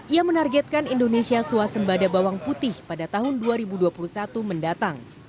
ia menargetkan indonesia suasembada bawang putih pada tahun dua ribu dua puluh satu mendatang